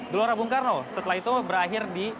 gelora bung karno setelah itu berakhir di